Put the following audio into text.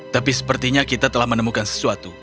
tapi sepertinya kita telah menemukan sesuatu